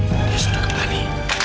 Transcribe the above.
dia sudah kembali